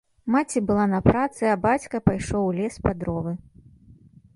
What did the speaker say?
Маці была на працы, а бацька пайшоў ў лес па дровы.